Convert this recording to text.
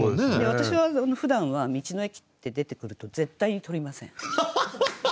私はふだんは「道の駅」って出てくると絶対にとりません。